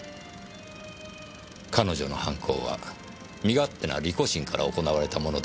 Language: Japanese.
彼女の犯行は身勝手な利己心から行われたものではありません。